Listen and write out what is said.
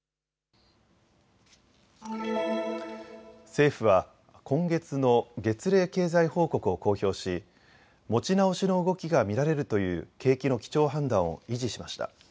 政府は今月の月例経済報告を公表し持ち直しの動きが見られるという景気の基調判断を維持しました。